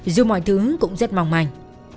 dù mọi thứ cũng rất mỏng mảnh